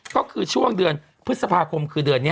ก็คือช่วงเดือนพฤษภาคมคือเดือนนี้